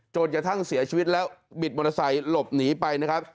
จนกระทั่งเสียชีวิตแล้วบิดมอเตอร์ไซค์หลบหนีไปนะครับ